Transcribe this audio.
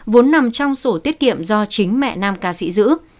vốn nằm trong sổ tiết kiệm do chính mẹ nam ca sĩ giữ